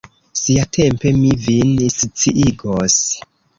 Siatempe mi vin sciigos.